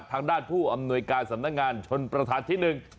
ทางด้านผู้อำนวยการสำนักงานชนประธานที่หนึ่ง